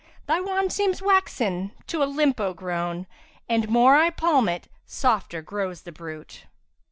Thy wand seems waxen, to a limpo grown, * And more I palm it, softer grows the brute!'